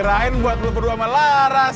kirain buat lu berdua sama laras